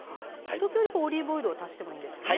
時折オリーブオイルを足してもいいんですよね？